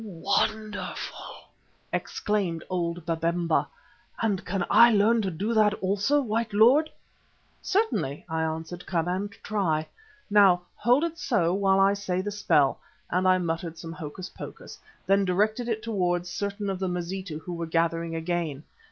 "Wonderful!" exclaimed old Babemba, "and can I learn to do that also, white lord?" "Certainly," I answered, "come and try. Now, hold it so while I say the spell," and I muttered some hocus pocus, then directed it towards certain of the Mazitu who were gathering again.